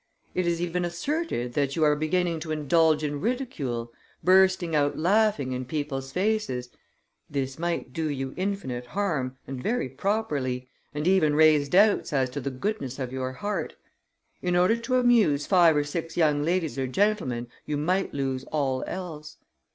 It is even asserted that you are beginning to indulge in ridicule, bursting out laughing in people's faces; this might do you infinite harm and very properly, and even raise doubts as to the goodness of your heart; in order to amuse five or six young ladies or gentlemen, you might lose all else.